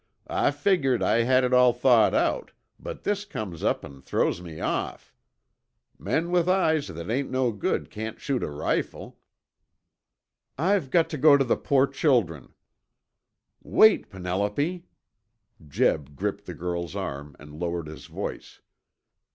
"I figgered I had it all thought out, but this comes up an' throws me off. Men with eyes that ain't no good can't shoot a rifle." "I've got to go to the poor children." "Wait, Penelope." Jeb gripped the girl's arm, and lowered his voice.